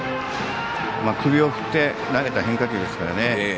首を振って投げた変化球ですから。